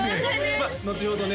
まあのちほどね